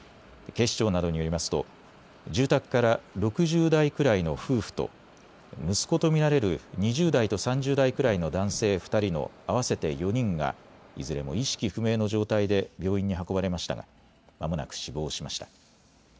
警視庁などによりますと住宅から６０代くらいの夫婦と息子と見られる２０代と３０代くらいの男性２人の合わせて４人がいずれも意識不明の状態で病院に運ばれましたがまもなく死亡しました。